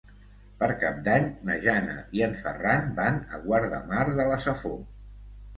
Per Cap d'Any na Jana i en Ferran van a Guardamar de la Safor.